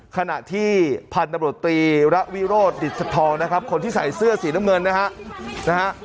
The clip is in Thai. ขณะที่พันธุ์ตำรวจตรีละวิโรธดิจทธองคนที่ใส่เสื้อสีน้ำเงิน